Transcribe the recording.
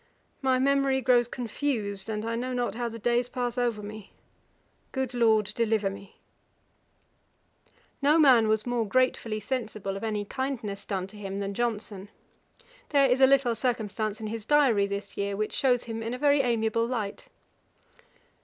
My memory grows confused, and I know not how the days pass over me. Good Lord deliver me!' [Page 488: Trinity College, Dublin. A.D. 1765.] No man was more gratefully sensible of any kindness done to him than Johnson. There is a little circumstance in his diary this year, which shews him in a very amiable light.